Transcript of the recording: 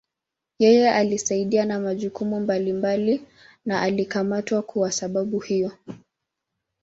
Yeye alisaidia na majukumu mbalimbali na alikamatwa kuwa sababu hiyo.